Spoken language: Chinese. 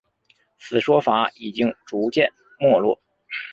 此说法已经逐渐没落。